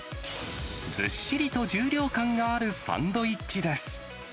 ずっしりと重量感があるサンドイッチです。